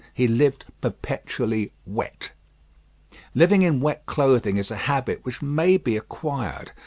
He lived perpetually wet. Living in wet clothing is a habit which may be acquired.